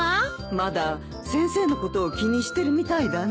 まだ先生のことを気にしてるみたいだね。